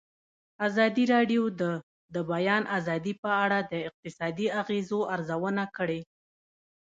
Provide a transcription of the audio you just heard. ازادي راډیو د د بیان آزادي په اړه د اقتصادي اغېزو ارزونه کړې.